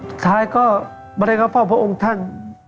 สุดท้ายก็ไม่ได้เข้าเฝ้าพระองค์ท่าน